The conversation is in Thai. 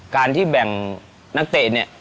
การที่แบ่งนักเตะเนี่ย